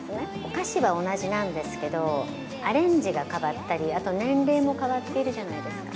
歌詞は同じなんですけど、アレンジが変わったり、あと年齢も変わってるじゃないですか。